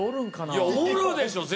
いやおるでしょ絶対。